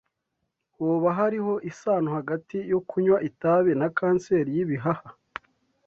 Hoba hariho isano hagati yo kunywa itabi na kanseri y'ibihaha